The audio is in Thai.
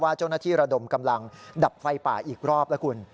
เจ้าหน้าที่ระดมกำลังดับไฟป่าอีกรอบแล้วคุณ